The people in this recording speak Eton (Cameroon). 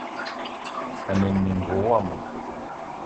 Ane mininga womo